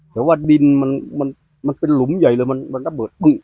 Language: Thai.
แต่ว่าดินมันเป็นหลุมใหญ่เลยมันระเบิด